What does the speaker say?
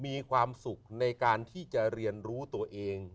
มีความสุขในการที่จะเรียนรู้ตัวเอง